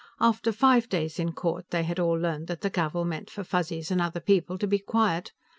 After five days in court, they had all learned that the gavel meant for Fuzzies and other people to be quiet.